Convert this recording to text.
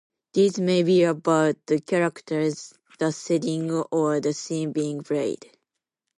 These may be about characters, the setting, or the scene being played.